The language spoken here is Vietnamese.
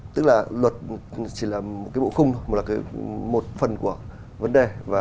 tức là luật chỉ là một cái bộ khung một phần của vấn đề